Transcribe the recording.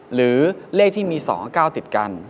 หรือเลขที่มี๒๙ติดกัน